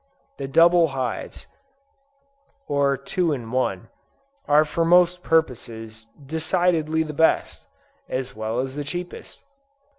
The double hives, or two in one, are for most purposes, decidedly the best, as well as the cheapest.